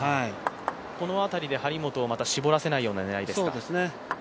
この辺りで、張本を絞らせないようなねらいですか。